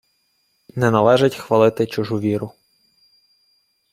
Не належить хвалити чужу віру.